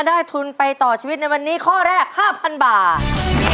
ทุนไปต่อชีวิตในวันนี้ข้อแรก๕๐๐๐บาท